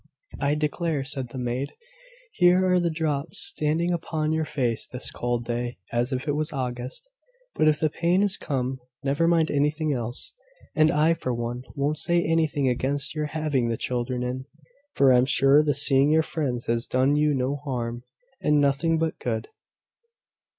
"I declare," said the maid, "here are the drops standing upon your face this cold day, as if it was August! But if the pain is cone, never mind anything else! And I, for one, won't say anything against your having the children in; for I'm sure the seeing your friends has done you no harm, and nothing but good."